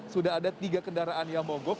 sudah ada tiga kendaraan yang mogok